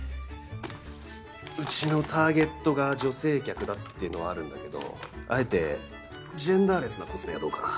うちのターゲットが女性客だっていうのはあるんだけどあえてジェンダーレスなコスメはどうかな？